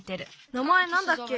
名まえなんだっけ？